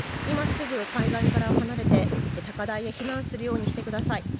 今すぐ海岸から離れて高台に避難するようにしてください。